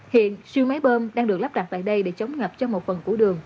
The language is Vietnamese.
hiện siêu máy bơm đang được lắp đặt tại đây để chống ngập cho một phần của đường